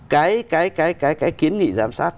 cái kiến nghị giám sát